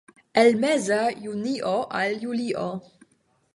El meza junio al julio.